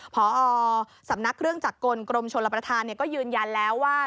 พอสำนักเครื่องจักรกลกรมชลประธานก็ยืนยันแล้วว่า